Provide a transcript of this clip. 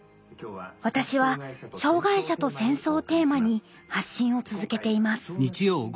私は「障害者と戦争」をテーマに発信を続けています。